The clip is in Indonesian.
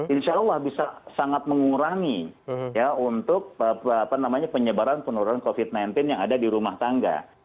insya allah bisa sangat mengurangi untuk penyebaran penurunan covid sembilan belas yang ada di rumah tangga